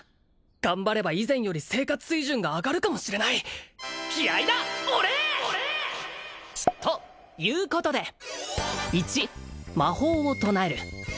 頑張れば以前より生活水準が上がるかもしれない気合いだ俺！ということで１魔法を唱える